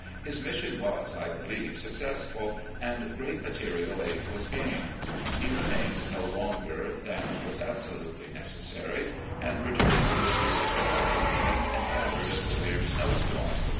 His mission was, I believe, suc cessful, and great material aid was gained. He remained no longer than was absolutely necessary, and, returning to his duties at Lexington, encountered a severe snow storm.